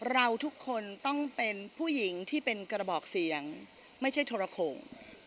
เราทุกคนต้องเป็นผู้หญิงที่เป็นกระบอกเสียงไม่ใช่โทรโข่ง